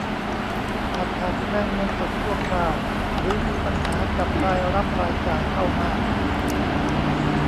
อาจขาดแคลนเงินสดชั่วคราวหรือมีปัญหากับรายรับรายจ่าย เข้ามาก